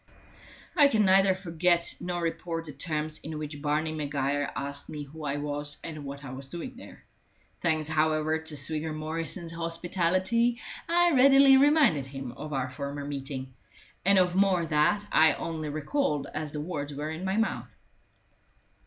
I can neither forget nor report the terms in which Barney Maguire asked me who I was and what I was doing there. Thanks, however, to Swigger Morrison's hospitality, I readily reminded him of our former meeting, and of more that I only recalled as the words were in my mouth.